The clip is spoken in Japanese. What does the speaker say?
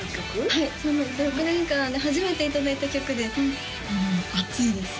はい６年間で初めていただいた曲で熱いです